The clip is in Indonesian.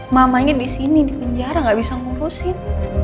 mamanya di sini di penjara gak bisa ngurusin